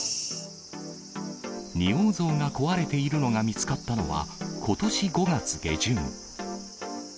仁王像が壊れているのが見つかったのはことし５月下旬。